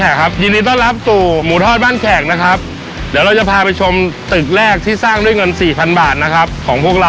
เป็นผักสดทั้งหมดเลยนะครับครับแล้วก็มีน้ำพริกดังกะเผื่อด้วย